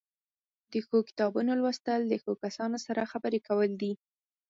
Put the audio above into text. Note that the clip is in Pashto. د ښو کتابونو لوستل له ښو کسانو سره خبرې کول دي.